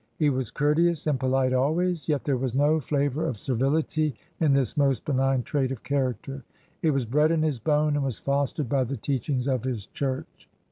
He was courteous and polite always, yet there was no flavor of servility in this most benign trait of character. It was bred in his bone and was fostered by the teachings of his church.